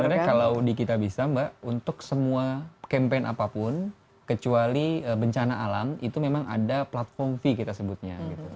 sebenarnya kalau di kitabisa mbak untuk semua campaign apapun kecuali bencana alam itu memang ada platform fee kita sebutnya gitu